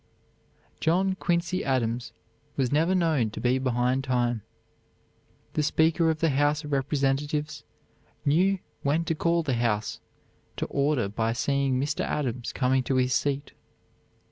John Quincy Adams was never known to be behind time. The Speaker of the House of Representatives knew when to call the House to order by seeing Mr. Adams coming to his seat.